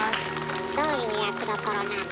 どういう役どころなの？